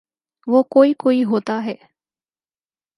وہ کوئی کوئی ہوتا ہے۔